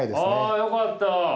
あよかった。